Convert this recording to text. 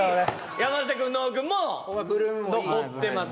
山下君ＮＯＡ君も残ってます